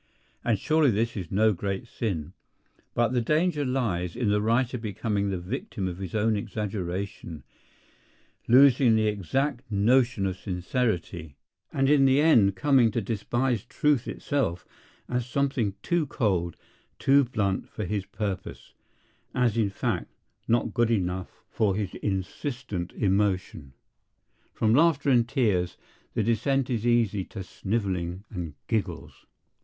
And surely this is no great sin. But the danger lies in the writer becoming the victim of his own exaggeration, losing the exact notion of sincerity, and in the end coming to despise truth itself as something too cold, too blunt for his purpose—as, in fact, not good enough for his insistent emotion. From laughter and tears the descent is easy to snivelling and giggles.